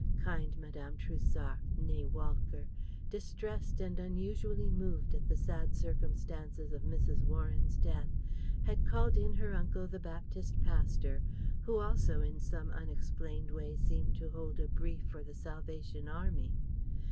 Kind Mme. Trouessart (née Walcker), distressed and unusually moved at the sad circumstances of Mrs. Warren's death, had called in her uncle the Baptist pastor (who also in some unexplained way seemed to hold a brief for the Salvation Army).